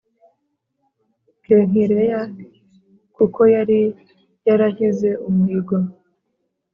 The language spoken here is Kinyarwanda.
Kenkireya kuko yari yarahize umuhigo